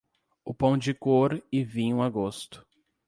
O pão de cor e vinho a gosto.